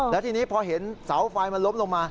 แล้วทีนี้พอเห็นเสาไฟมันล้มลงมา